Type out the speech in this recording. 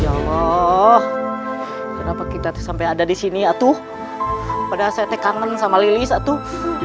ya allah kenapa kita sampai ada di sini atuh pada saatnya kangen sama lilis atuh